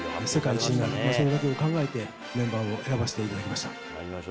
そのことを考えてメンバーを選ばせていただきました。